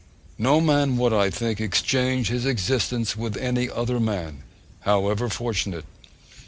No man would, I think, exchange his existence with any other man, however fortunate.